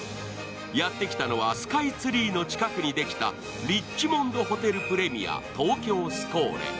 やってきたのはスカイツリーの近くにできたリッチモンドホテルプレミア東京スコーレ。